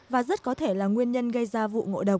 và rất có thể là nguyên nhân gây ra vụ ngộ độc